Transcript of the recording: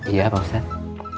iya pak ustadz